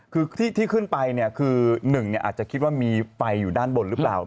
คือที่ขึ้นไปคือ๑อาจจะคิดว่ามีไฟอยู่ด้านบนหรือเปล่า